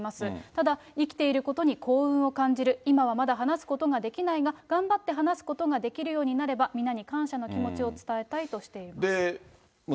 ただ、生きていることに幸運を感じる、今はまだ話すことができないが、頑張って話すことができるようになれば、皆に感謝の気持ちを伝えたいとしています。